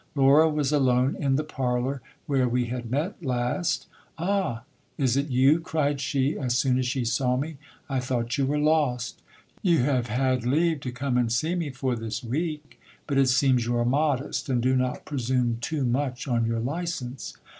Laura was alone in the parlour where we had met last Ah ! is it you ? cried she, as soon as she saw me ; I thought you were lost You have had leave to come and see me for this week : but it seems you are modest, and do not pre sume too much on your license.